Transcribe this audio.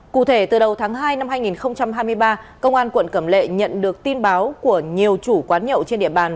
cụ thể từ đầu tháng hai năm hai nghìn hai mươi ba công an quận cẩm lệ nhận được tin báo của nhiều chủ quán nhậu trên địa bàn